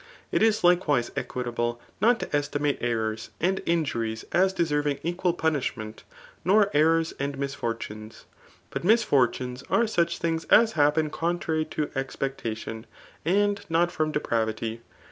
It is likewise equitable not to estimate errors and injuries as deserving equal punishment, nor errors and misfortunes. But misfortunes are such thing^ as happen contrary to expectation, and not from depra vity.